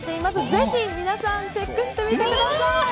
ぜひ皆さんチェックしてみてください。